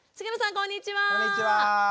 こんにちは！